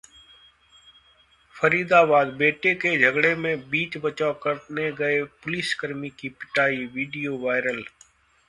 फरीदाबाद: बेटे के झगड़े में बीच बचाव करने गए पुलिसकर्मी की पिटाई, वीडियो वायरल